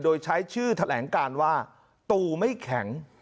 โดยใช้ชื่อแถลงการว่าตูไม่แข็ง